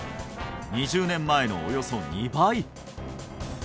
２０年前のおよそ２倍！